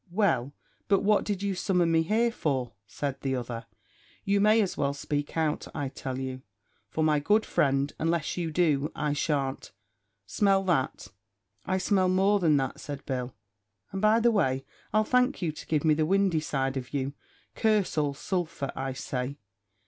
"Well, but what did you summon me here for?" said the other; "you may as well speak out, I tell you; for, my good friend, unless you do, I shan't. Smell that." "I smell more than that," said Bill; "and by the way, I'll thank you to give me the windy side of you curse all sulphur, I say.